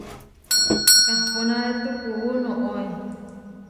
Kahponarétu kuú noóe.